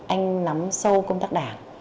anh nắm sâu công tác đảng